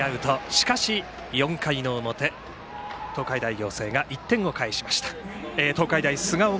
しかし、４回の表、東海大菅生が１点を返しました。